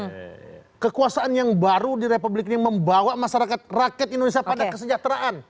karena kekuasaan yang baru di republik ini membawa masyarakat rakyat indonesia pada kesejahteraan